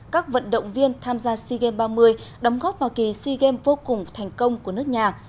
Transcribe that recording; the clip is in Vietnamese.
các vận động viên tham gia sea games ba mươi đóng góp vào kỳ sea games vô cùng thành công của nước nhà